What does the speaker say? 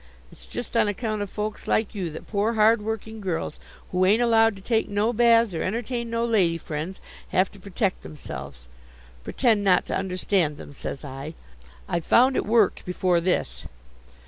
It's just on account of folks like you that poor hard working girls, who ain't allowed to take no baths or entertain no lady friends, have to protect themselves. Pretend not to understand them, says I. I've found it worked before this.